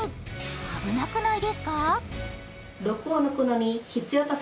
危なくないですか？